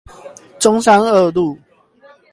中山二路